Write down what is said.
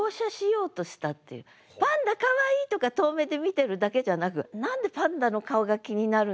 「パンダかわいい！」とか遠目で見てるだけじゃなく「何でパンダの顔が気になるんだろう？」。